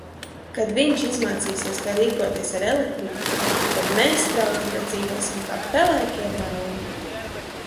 Kad viņš izmācīsies kā rīkoties ar elektrību, tad mēs Strautiņos dzīvosim kā pelēkie baroni!